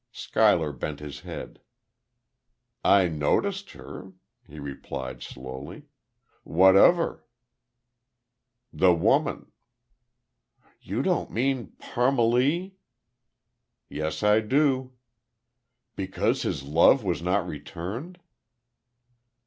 Schuyler bent his head. "I noticed her," he replied, slowly. "What of her?" "The woman." "You don't mean Parmalee ?" "Yes, I do." "Because his love was not returned?"